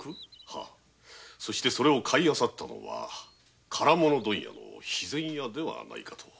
はいそれを買いあさったのは唐物問屋の肥前屋ではないかと。